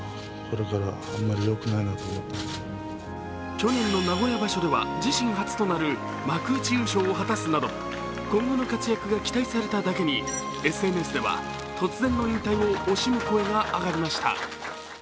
去年の名古屋場所では自身初となる幕内優勝をはたすなど今後の活躍が期待されただけにＳＮＳでは突然の引退を惜しむ声が上がりました。